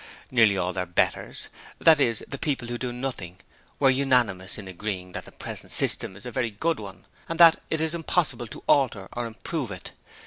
Nearly all their betters that is, the people who do nothing were unanimous in agreeing that the present system is a very good one and that it is impossible to alter or improve it.